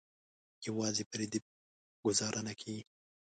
یوازې په ردیف ګوزاره نه کیږي.